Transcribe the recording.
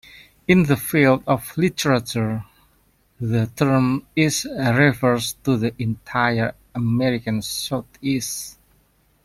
In the field of literature, the term is refers to the entire American Southeast.